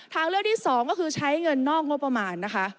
ทางเลือกที่๒ก็คือใช้เงินนอกงบประมาณนะคะ